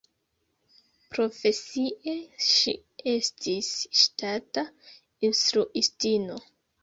Profesie, ŝi estis ŝtata instruistino.